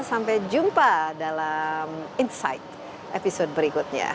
sampai jumpa dalam insight episode berikutnya